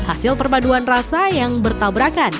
hasil perpaduan rasa yang bertabrakan